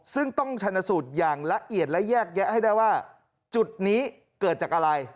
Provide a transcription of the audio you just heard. ซึ่งต้องชนสูตรอย่างละเอียดและแยกแยะให้ได้ว่าจุดนี้เกิดจากอะไร